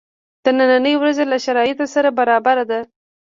د نني ورځی له شرایطو سره برابره ده.